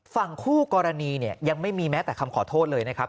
ฝั่งคู่กรณีเนี่ยยังไม่มีแม้แต่คำขอโทษเลยนะครับ